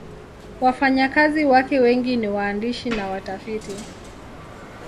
Wafanyakazi wake wengi ni waandishi na watafiti.